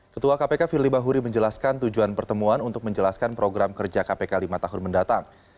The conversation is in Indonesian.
ketua kpk firly bahuri menjelaskan tujuan pertemuan untuk menjelaskan program kerja kpk lima tahun mendatang